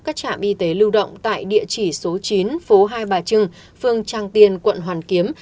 các trạm y tế lưu động tại địa chỉ số chín phố hai bà trưng phương trang tiên quận hoàn kiếm